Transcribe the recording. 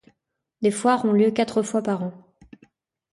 Des foires ont lieu quatre fois par an.